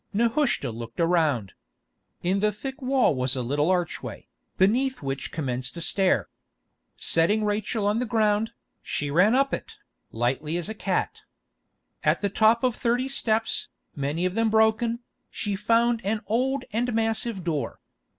Nehushta looked around. In the thick wall was a little archway, beneath which commenced a stair. Setting Rachel on the ground, she ran up it, lightly as a cat. At the top of thirty steps, many of them broken, she found an old and massive door.